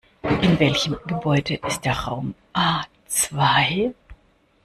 In welchem Gebäude ist der Raum A zwei?